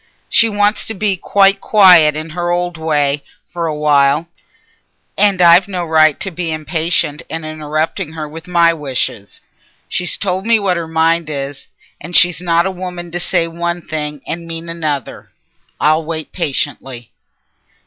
She wants to be quite quiet in her old way for a while. And I've no right to be impatient and interrupting her with my wishes. She's told me what her mind is, and she's not a woman to say one thing and mean another. I'll wait patiently."